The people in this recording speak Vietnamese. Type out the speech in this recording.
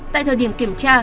tại thời điểm kiểm tra